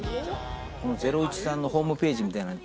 『ゼロイチ』さんのホームページみたいなん